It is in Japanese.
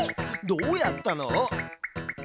どうやったの？